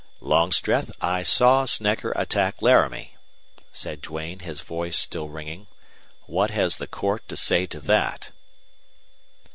"Longstreth, I saw Snecker attack Laramie," said Duane, his voice still ringing. "What has the court to say to that?"